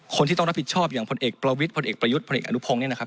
คนที่ต้องรับผิดชอบอย่างผลเอกประวิชจรรย์ผลเอกประยุทธจรรย์ผลเอกอนุพงศ์